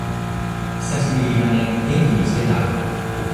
久しぶりだね、元気にしてた？